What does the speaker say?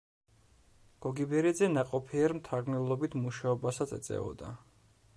გოგიბერიძე ნაყოფიერ მთარგმნელობით მუშაობასაც ეწეოდა.